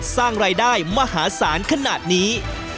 สร้างรายได้มหาศาลขนาดนี้